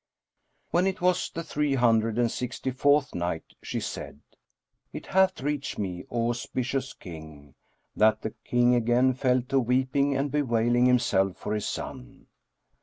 When it was the Three Hundred and Sixty fourth Night, She said, It hath reached me, O auspicious King, that the King again fell to weeping and bewailing himself for his son.